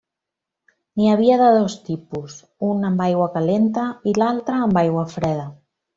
N'hi havia de dos tipus: un amb aigua calenta i l'altre amb aigua freda.